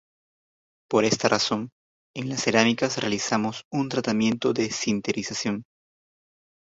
Por esta razón, en las cerámicas realizamos un tratamiento de sinterización.